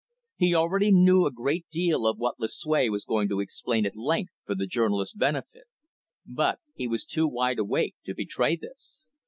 He already knew a great deal of what Lucue was going to explain at length for the journalist's benefit, but he was too wide awake to betray this.